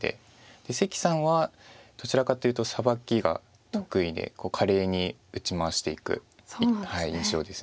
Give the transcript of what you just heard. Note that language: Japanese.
関さんはどちらかというとサバキが得意で華麗に打ち回していく印象です。